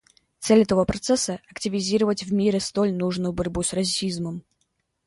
Цель этого процесса — активизировать в мире столь нужную борьбу с расизмом.